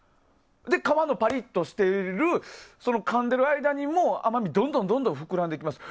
で、皮のパリッとしているかんでる間に甘みがどんどん膨らんでいきます。